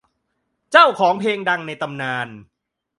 เจ้าของเพลงดังในตำนาน